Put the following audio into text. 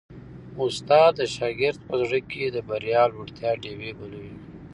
استاد د شاګرد په زړه کي د بریا او لوړتیا ډېوې بلوي.